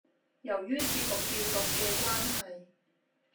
由於節目調動嘅關係